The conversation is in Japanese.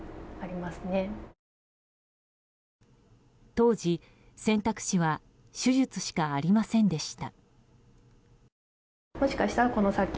当時、選択肢は手術しかありませんでした。